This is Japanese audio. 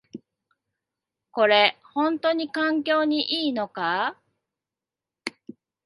これ、ほんとに環境にいいのか？